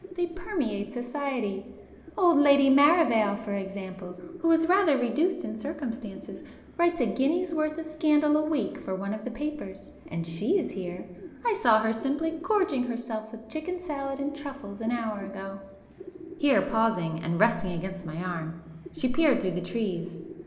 They permeate society. Old Lady Maravale, for example, who is rather reduced in circumstances, writes a guinea's worth of scandal a week for one of the papers. And she is here,—I saw her simply gorging herself with chicken salad and truffles an hour ago!" Here pausing, and resting against my arm, she peered through the trees.